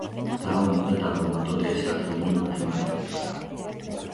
და უნდა დავამატოთ ეს ათეული მათემატიკურად.